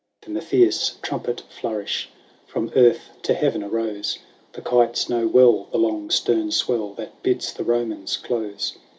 XXXVI. Then the fierce trumpet flourish From earth to heaven arose, The kites know well the long stern swell That bids the Romans close.